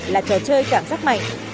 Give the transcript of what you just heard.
là trò chơi cảm giác mạnh